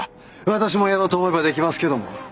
私もやろうと思えばできますけども。